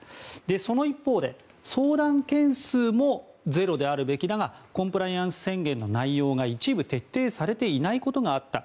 その一方で、相談件数もゼロであるべきだがコンプライアンス宣言の内容が一部徹底されていないことがあった。